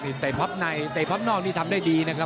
นี้ผัพนี่ทำได้ดีนะครับ